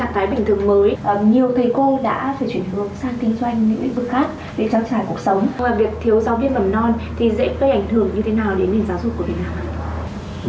ngoài việc thiếu giáo viên bầm non thì dễ có ảnh hưởng như thế nào đến nền giáo dục của bệnh nhân không ạ